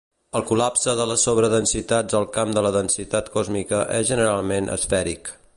El col·lapse de les sobredensitats al camp de la densitat còsmica és generalment asfèric.